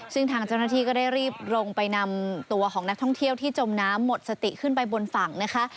ซึ่งทางเจ้าหน้าที่ก็ได้รีบลงไปนำตัวของนักท่องเที่ยวที่จมน้ำหมดสติขึ้นไปบนฝั่งนะคะ